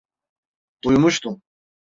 Duymuştum.